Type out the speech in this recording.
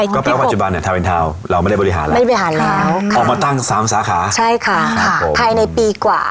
ก็แปลว่าปัจจุบันเราไม่ได้บริหารแล้วออกมาตั้งสามสาขาใช่ค่ะภายในปีกว่า